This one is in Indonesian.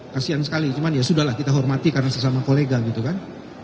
kasian sekali cuman ya sudah lah kita hormati karena sesama kolega gitu kan